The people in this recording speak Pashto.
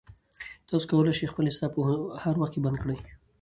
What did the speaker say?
تاسو کولای شئ خپل حساب په هر وخت کې بند کړئ.